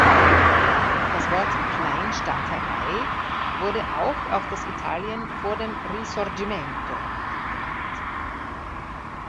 Das Wort „Kleinstaaterei“ wurde auch auf das Italien vor dem Risorgimento angewandt.